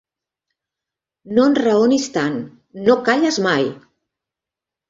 No enraonis tant: no calles mai!